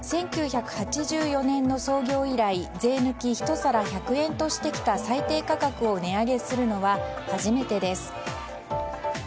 １９８４年の創業以来税抜き１皿１００円としてきた最低価格を値上げするのは初めてです。